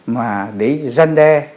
mà để ranh đe